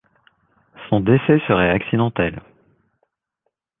Son décès serait accidentel.